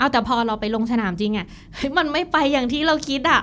แต่พอเราไปลงสนามจริงมันไม่ไปอย่างที่เราคิด